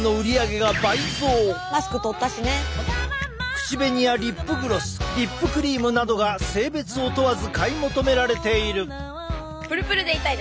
口紅やリップグロスリップクリームなどが性別を問わず買い求められている。